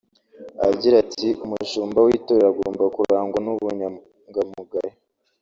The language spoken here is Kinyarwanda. Agira ati “Umushumba w’itorero agomba kurangwa n’ubunyangamugayo